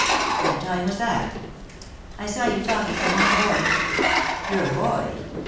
. "What time was that ?"" I saw you talking to my boy." " Your boy